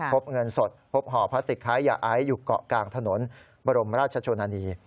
พบเงินสดพบห่อพลาสติกค้ายาไอซ์อยู่เกาะกลางถนนบรมราชชนนานี